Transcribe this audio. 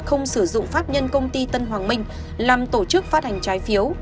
không sử dụng pháp nhân công ty tân hoàng minh làm tổ chức phát hành trái phiếu